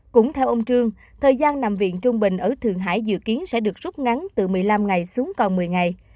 cũng theo ông trương thời gian nằm viện trung bình ở thượng hải dự kiến sẽ được rút ngắn từ một mươi năm ngày xuống còn một mươi ngày